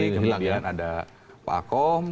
kemudian ada pak kom